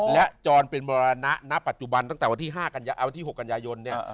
และจรเป็นมรณะณปัจจุบันตั้งแต่วันที่ห้ากันเอาวันที่หกกันยายนเนี่ยอ่า